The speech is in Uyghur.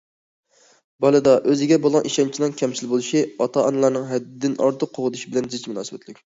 بالىدا ئۆزىگە بولغان ئىشەنچنىڭ كەمچىل بولۇشى، ئاتا- ئانىلارنىڭ ھەددىدىن ئارتۇق قوغدىشى بىلەن زىچ مۇناسىۋەتلىك.